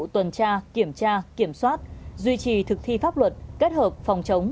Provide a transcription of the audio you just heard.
tuần tra kiểm tra kiểm soát duy trì thực thi pháp luật kết hợp phòng chống